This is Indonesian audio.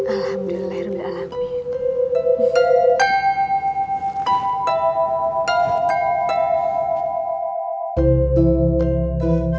alhamdulillah rumi alhamdulillah